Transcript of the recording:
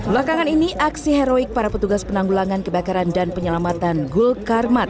belakangan ini aksi heroik para petugas penanggulangan kebakaran dan penyelamatan gul karmat